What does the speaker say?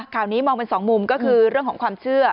ข่าวนี้มองเป็นสองมุมก็คือเรื่องของความเชื่อ